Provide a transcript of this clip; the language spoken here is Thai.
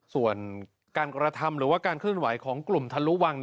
ส่วนการกรรธรรมหรือว่าการขึ้นไหวของกลุ่มทะลุวัง